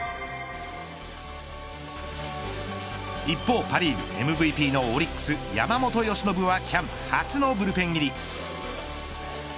一方パ・リーグＭＶＰのオリックス山本由伸はキャンプ初のブルペン入り。